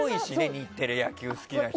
日テレは野球が好きな人。